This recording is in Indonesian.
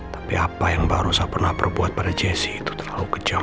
tapi apa yang mbak rosa pernah perbuat pada jessy itu terlalu kejam